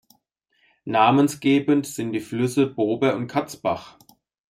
Namensgebend sind die Flüsse Bober und Katzbach.